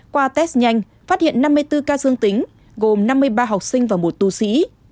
qua test nhanh phát hiện năm mươi bốn ca dương tính gồm năm mươi ba học sinh và một tu sĩ